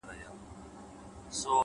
مثبت ذهن د فرصتونو ښکار کوي’